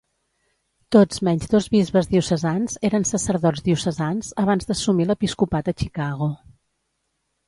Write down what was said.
Tots menys dos bisbes diocesans eren sacerdots diocesans abans d'assumir l'episcopat a Chicago.